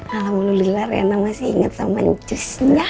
alhamdulillah reina masih inget sama ncus